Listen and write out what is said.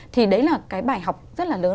thì đấy là cái bài học rất là lớn